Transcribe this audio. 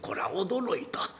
驚いた。